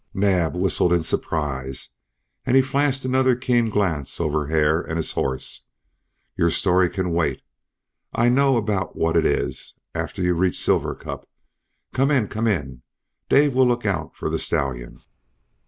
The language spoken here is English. Naab whistled in surprise and he flashed another keen glance over Hare and his horse. "Your story can wait. I know about what it is after you reached Silver Cup. Come in, come in, Dave will look out for the stallion."